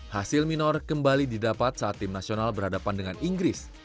hasil minor kembali didapat saat tim nasional berhadapan dengan inggris